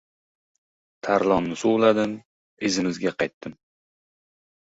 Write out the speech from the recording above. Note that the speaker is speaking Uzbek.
Tarlonni suvladim. Izimizga qaytdim.